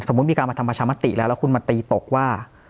มีการมาทำประชามติแล้วแล้วคุณมาตีตกว่า